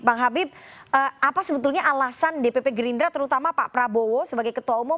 bang habib apa sebetulnya alasan dpp gerindra terutama pak prabowo sebagai ketua umum